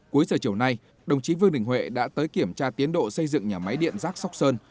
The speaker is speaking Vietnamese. cuối giờ chiều nay đồng chí vương đình huệ đã tới kiểm tra tiến độ xây dựng nhà máy điện rác sóc sơn